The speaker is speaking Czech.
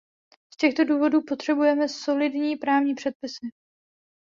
Z těchto důvodů potřebujeme solidní právní předpisy.